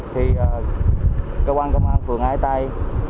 thì cơ quan công an phường ái tây